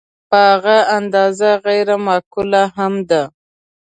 په هغه اندازه غیر معقول هم دی.